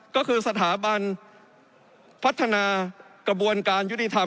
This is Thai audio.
ก็คือสถาบันพัฒนากระบวนการยุติธรรม